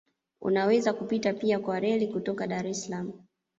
Unaweza kupita pia kwa reli kutoka Dar es Salaam